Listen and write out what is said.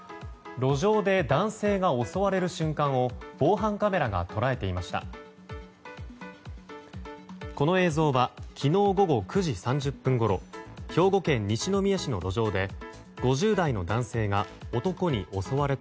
路上で男性が襲われる瞬間を防犯カメラが捉えていました。